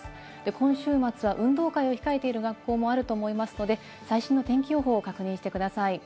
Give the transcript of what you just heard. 今週末は運動会を控えている学校もあると思いますので、最新の天気予報を確認してください。